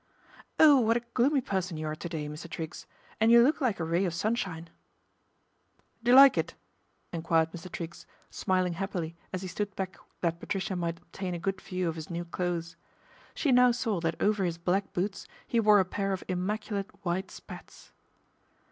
"Oh! what a gloomy person you are to day, Mr. Triggs, and you look like a ray of sunshine." " D'you like it ?" enquired Mr. Triggs, smiling happily as he stood back that Patricia might obtain a good view of his new clothes. She no\ saw that over his black boots he wore a pair oi immaculate white spats.